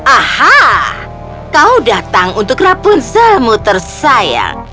aha kau datang untuk rapunzelmu tersayang